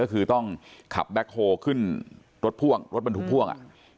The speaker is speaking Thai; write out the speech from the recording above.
ก็คือต้องขับแบ็คโฮลขึ้นรถพ่วงรถบรรทุกพ่วง